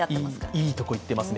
いいところいってます。